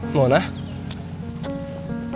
mereka gak jadi cerai ya